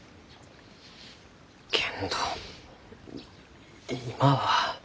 けんど今は。